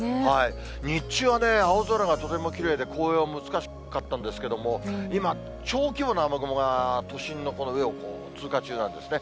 日中はね、青空がとてもきれいで、紅葉も美しかったんですけど、今、小規模な雨雲が都心のこの上を通過中なんですね。